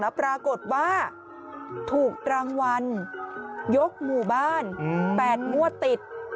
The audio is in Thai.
ปรากฏว่าถูกรางวัลยกหมู่บ้าน๘งวดติด